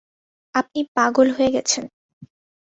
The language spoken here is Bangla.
আপনি পাগল হয়ে গেছেন!